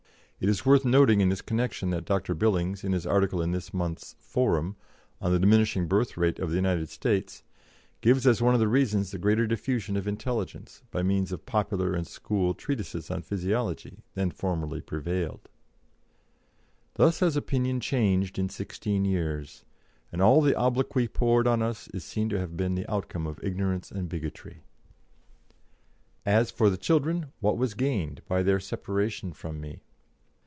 It is worth noting in this connection that Dr. Billings, in his article in this month's Forum, on the diminishing birth rate of the United States, gives as one of the reasons the greater diffusion of intelligence, by means of popular and school treatises on physiology, than formerly prevailed." Thus has opinion changed in sixteen years, and all the obloquy poured on us is seen to have been the outcome of ignorance and bigotry. As for the children, what was gained by their separation from me?